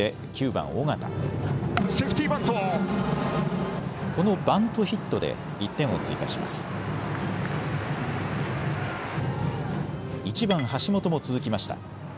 １番・橋本も続きました。